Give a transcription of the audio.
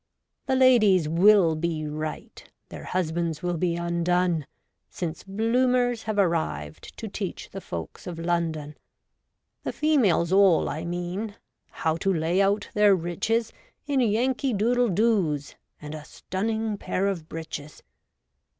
The ladies will be right ; Their husbands will be undone, Since Bloomers have arrived To teach the folks of London — The females all I mean — How to lay out their riches In Yankee Doodle doos And a stunning pair of breeches.